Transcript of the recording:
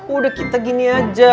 udah kita gini aja